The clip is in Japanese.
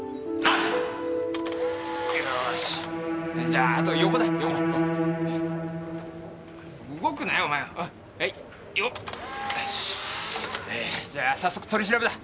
じゃあ早速取り調べだ。